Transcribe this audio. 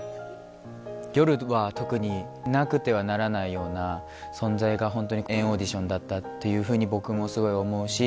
夜は特に、なくてはならないような存在が、本当に＆ＡＵＤＩＴＩＯＮだったっていうふうに、僕もすごい思うし。